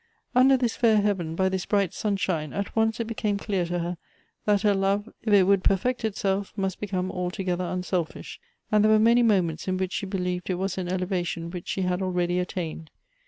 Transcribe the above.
Under this fair heaven, by this bright sunshine, at once it became clear to her, that her love if it would perfect itself, must become altogether unselfish ; and there were many moments in which she believed it was an elevation which she had already attained.